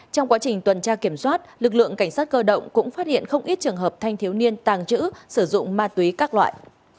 trong quá trình tuần tra kiểm soát lực lượng cảnh sát cơ động cũng phát hiện không ít trường hợp thanh thiếu niên tàng trữ sử dụng ma túy các loại